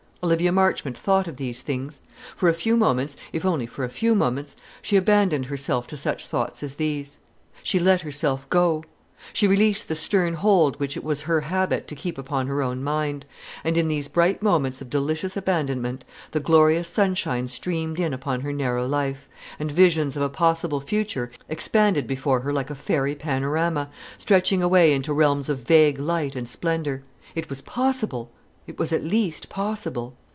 Olivia Marchmont thought of these things. For a few moments, if only for a few moments, she abandoned herself to such thoughts as these. She let herself go. She released the stern hold which it was her habit to keep upon her own mind; and in those bright moments of delicious abandonment the glorious sunshine streamed in upon her narrow life, and visions of a possible future expanded before her like a fairy panorama, stretching away into realms of vague light and splendour. It was possible; it was at least possible.